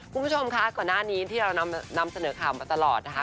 คุณผู้ชมคะก่อนหน้านี้ที่เรานำเสนอข่าวมาตลอดนะคะ